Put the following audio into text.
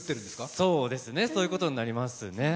そうですね、そういうことになりますね。